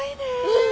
うん。